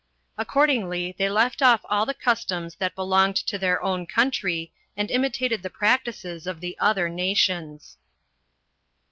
Accordingly, they left off all the customs that belonged to their own country, and imitated the practices of the other nations.